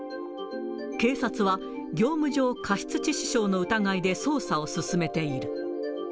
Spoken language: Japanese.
警察は、業務上過失致死傷の疑いで捜査を進めている。